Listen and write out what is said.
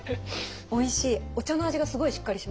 おいしい。